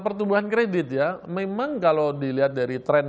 pertumbuhan kredit ya memang kalau dilihat dari tren